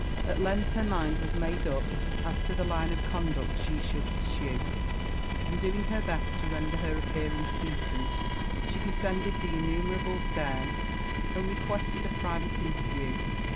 At length her mind was made up as to the line of conduct she should pursue, and doing her best to render her appearance decent, she descended the innumerable stairs, and requested a private interview with.